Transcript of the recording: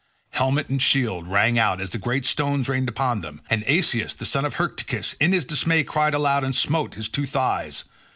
Helmet and shield rang out as the great stones rained upon them, and Asius, the son of Hyrtacus, in his dismay cried aloud and smote his two thighs.